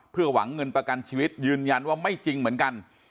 เพื่อหวังเงินประกันชีวิตยืนยันว่าไม่จริงเหมือนกัน